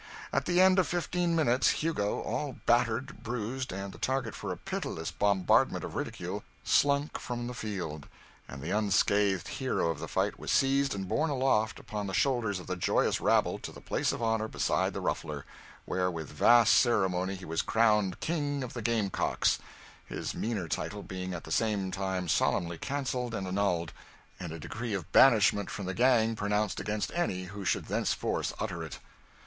At the end of fifteen minutes, Hugo, all battered, bruised, and the target for a pitiless bombardment of ridicule, slunk from the field; and the unscathed hero of the fight was seized and borne aloft upon the shoulders of the joyous rabble to the place of honour beside the Ruffler, where with vast ceremony he was crowned King of the Game Cocks; his meaner title being at the same time solemnly cancelled and annulled, and a decree of banishment from the gang pronounced against any who should thenceforth utter it.